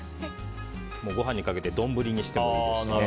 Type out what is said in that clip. ご飯にかけて丼にしてもいいですしね。